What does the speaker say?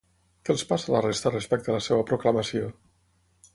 Què els passa a la resta respecte la seva proclamació?